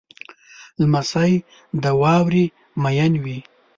لمسی د واورې مین وي.